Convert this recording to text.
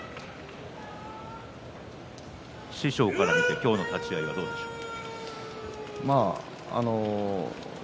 師匠から見て今日の立ち合いはどうでしたか？